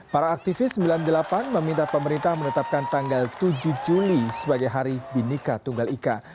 para aktivis sembilan puluh delapan meminta pemerintah menetapkan tanggal tujuh juli sebagai hari binika tunggal ika